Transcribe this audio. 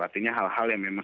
artinya hal hal yang memang